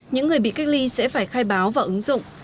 những người bị cách ly sẽ phải khai báo vào ứng dụng